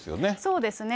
そうですね。